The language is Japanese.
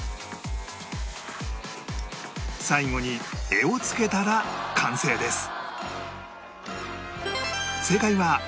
最後に柄を付けたら完成です